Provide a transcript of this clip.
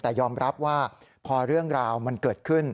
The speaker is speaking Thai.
แต่ยอมรับว่าพอเรื่องราวมันเกิดขึ้น